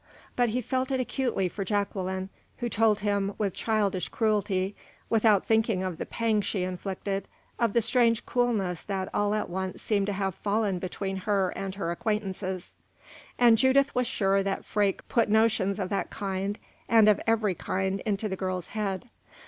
But he felt it acutely for Jacqueline, who told him, with childish cruelty, without thinking of the pang she inflicted, of the strange coolness that all at once seemed to have fallen between her and her acquaintances. And Judith was sure that Freke put notions of that kind and of every kind into the girl's head.